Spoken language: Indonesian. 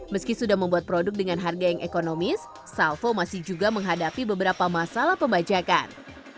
meski sudah membuat produk dengan harga yang ekonomis salvo masih juga menghadapi beberapa masalah pembajakan